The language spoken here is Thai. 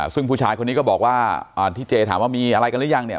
ซึ่งผู้ชายคนนี้ก็บอกว่าที่เจถามว่ามีอะไรกันหรือยังเนี่ย